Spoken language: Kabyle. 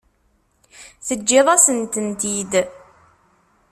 Teǧǧiḍ-asen-tent-id.